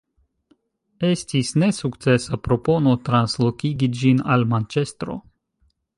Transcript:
Estis nesukcesa propono translokigi ĝin al Manĉestro.